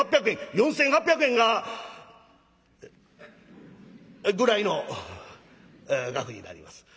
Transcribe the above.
４，８００円が。ぐらいの額になります。